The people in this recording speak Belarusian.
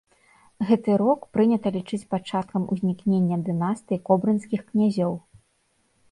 Гэты рок прынята лічыць пачаткам узнікнення дынастыі кобрынскіх князёў.